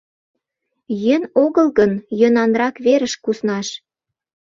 Йӧн огыл гын, йӧнанрак верыш куснаш.